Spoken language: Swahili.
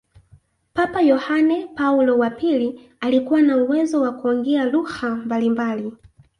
papa yohane paulo wa pili alikuwa na uwezo wa kuongea lugha mbalimbali